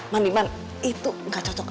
mang diman itu gak cocok